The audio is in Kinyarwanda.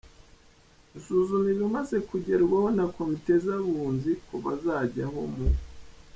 gusuzuma ibimaze kugerwaho na komite z‟Abunzi kuva zajyaho mu